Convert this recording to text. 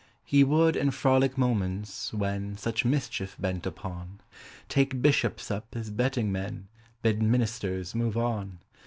He would in frolic moments, when Such mischief bent upon, Take Bishops up as betting men Bid Ministers move on.